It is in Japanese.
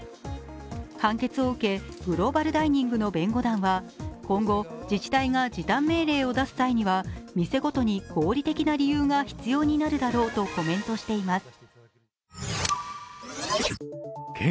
判決を受け、グローバルダイニングの弁護団は今後、自治体が時短命令を出す際には店ごとに合理的な理由が必要になるだろうとコメントしています。